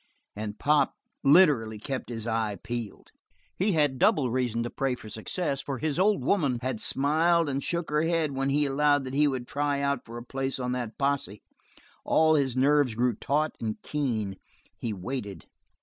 And Pop literally kept his eye peeled. He had double reason to pray for success, for his "old woman" had smiled and shook her head when he allowed that he would try out for a place on that posse. All his nerves grew taut and keen. He waited.